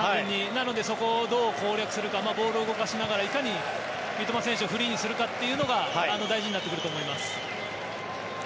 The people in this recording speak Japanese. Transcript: なので、そこをどう攻略するかボールを動かしながらいかに三笘選手をフリーにするかというのが大事になってくると思います。